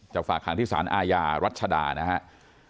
ฝากหางที่สารอาญารัชดานะครับ